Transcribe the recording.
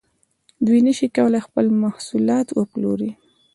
دوی نشي کولای خپل محصولات وپلوري